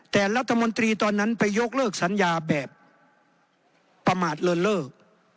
แต่รัฐมนตรีตอนนั้นไปยกเลิกสัญญาแบบประมาทเลินเลิก